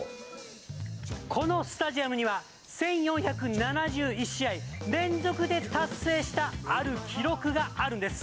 このスタジアムには、１４７１試合連続で達成したある記録があるんです。